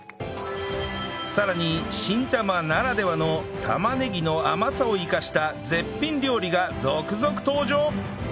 さらに新玉ならではの玉ねぎの甘さを生かした絶品料理が続々登場！